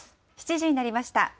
７時になりました。